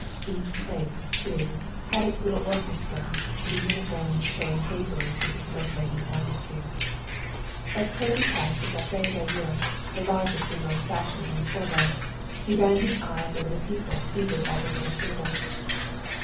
Each place, too, had its little orchestra, the uniforms showing hazily through the smoke laden atmosphere. As Povey passed the Café de l'Europe, the largest and most fashionable in Corbo, he ran his eyes over the people seated at the little tables.